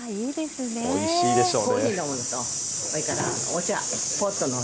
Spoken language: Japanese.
おいしいでしょうね。